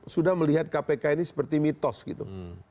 sudah melihat kpk ini seperti mitos gitu